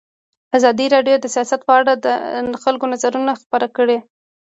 ازادي راډیو د سیاست په اړه د خلکو نظرونه خپاره کړي.